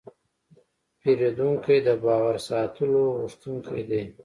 پیرودونکی د باور ساتلو غوښتونکی دی.